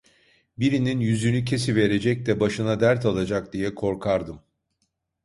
Birinin yüzünü kesiverecek de başına dert alacak diye korkardım.